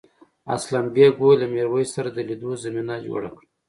اسلم بېگ وویل له میرويس سره د لیدو زمینه جوړه کړه.